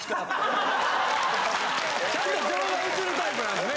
ちゃんと情がうつるタイプなんですね。